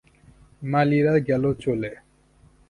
মালীরা গেল চলে।